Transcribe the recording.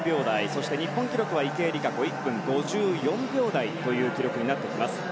そして日本記録は池江璃花子の１分５４秒台という記録になってきます。